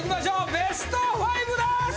ベスト５です！